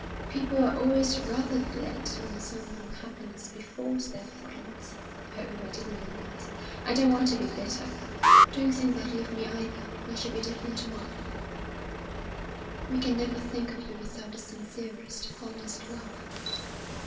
"People are always rather glad when some unhappiness befalls their friends! Oh, I didn't mean that! I don't want to be bitter. Don't think badly of me either. I shall be different to morrow." "We can never think of you without the sincerest, fondest love."